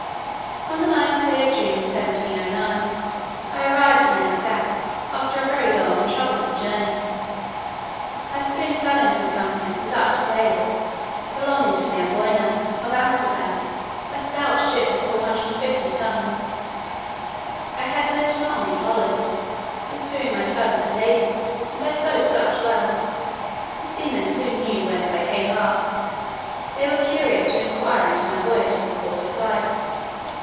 On the 9th day of June, 1709, I arrived at Nangasac, after a very long and troublesome journey. I soon fell into the company of some Dutch sailors belonging to the Amboyna, of Amsterdam, a stout ship of 450 tons. I had lived long in Holland, pursuing my studies at Leyden, and I spoke Dutch well. The seamen soon knew from whence I came last: they were curious to inquire into my voyages and course of life.